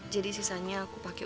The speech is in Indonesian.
jadi sisanya aku pake